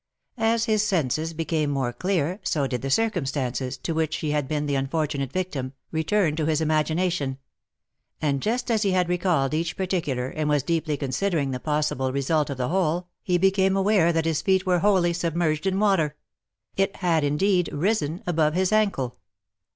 As his senses became more clear, so did the circumstances, to which he had been the unfortunate victim, return to his imagination; and just as he had recalled each particular, and was deeply considering the possible result of the whole, he became aware that his feet were wholly submerged in water; it had, indeed, risen above his ankle.